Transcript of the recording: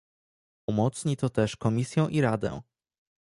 Umocni to też Komisję i Radę